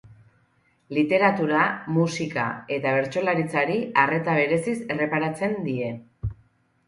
Literatura, musika eta bertsolaritzari arreta bereziz erreparatzen die.